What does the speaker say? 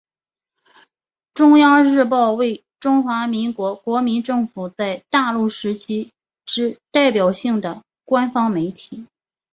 中央日报为中华民国国民政府在大陆时期之代表性的官方媒体。